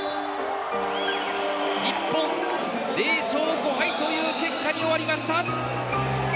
日本、０勝５敗という結果に終わりました。